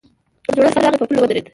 ځوړند سر راغی په پوله ودرېد.